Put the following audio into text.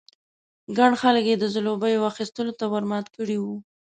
ګڼ خلک یې د ځلوبیو اخيستلو ته ور مات کړي وو.